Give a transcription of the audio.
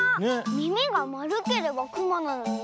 みみがまるければくまなのにね。